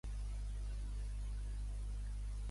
L'escriptor esportiu Brave Dyer va ajudar Patrick.